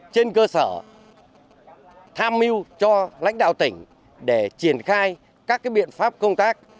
trên cơ sở tham mưu cho lãnh đạo tỉnh để triển khai các biện pháp công tác